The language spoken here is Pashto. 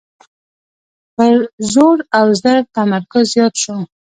پر زور او زر تمرکز زیات شو.